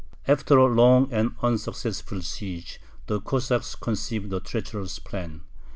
After a long and unsuccessful siege the Cossacks conceived a treacherous plan.